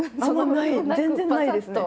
全然ないですね。